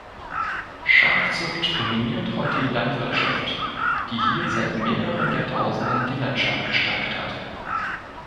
Schafzucht dominiert heute die Landwirtschaft, die hier seit mehreren Jahrtausenden die Landschaft gestaltet hat.